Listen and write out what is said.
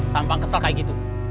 tampang kesel kayak gitu